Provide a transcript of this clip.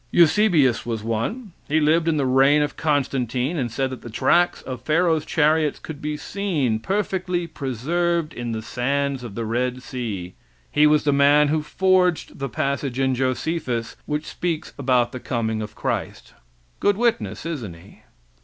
Eusebius was one. He lived in the reign of Constantine, and said that the tracks of Pharaoh's chariots could be seen perfectly preserved in the sands of the Red sea. He was the man who forged the passage in Josephus which speaks about the coming of Christ. Good witness, isn't he.